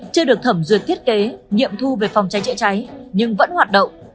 chưa được thẩm duyệt thiết kế nghiệm thu về phòng cháy chữa cháy nhưng vẫn hoạt động